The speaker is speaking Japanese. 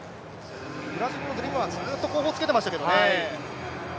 ブラジルのデリマはずーっと後方つけてきましたけどね。